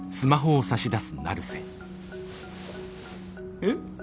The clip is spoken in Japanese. えっ？